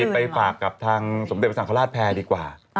ไปฝากกับทางสมเด็จพระสังฆราชแพรดีกว่า